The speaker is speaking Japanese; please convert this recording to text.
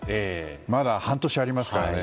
まだ半年ありますからね。